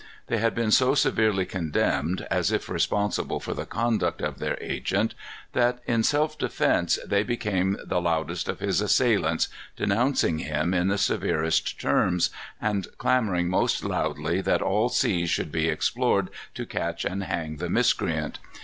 They had been so severely condemned, as if responsible for the conduct of their agent, that in self defence they became the loudest of his assailants, denouncing him in the severest terms, and clamoring most loudly that all seas should be explored to catch and hang the miscreant.